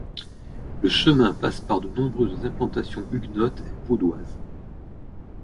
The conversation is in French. Le chemin passe par de nombreuses implantations Huguenotes et Vaudoises.